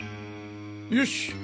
よし！